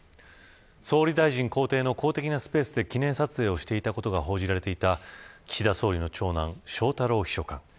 総理大臣公邸の公的なスペースで記念撮影をしていたことが報じられた岸田総理の長男翔太郎秘書官。